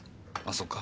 そっか。